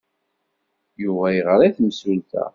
Yuba yeɣra i temsulta.